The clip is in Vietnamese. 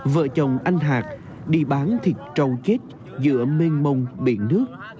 vợ chồng anh hạc đi bán thịt trâu chết giữa mênh mông biển nước